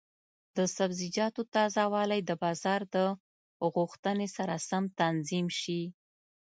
د سبزیجاتو تازه والی د بازار د غوښتنې سره سم تنظیم شي.